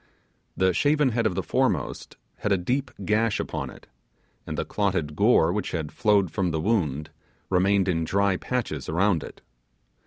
The shaven head of the foremost had a deep gash upon it, and the clotted gore which had flowed from the wound remained in dry patches around it.